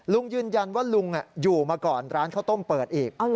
ลุงยืนยันว่าลุงอยู่มาก่อนร้านข้าวต้มเปิดอีก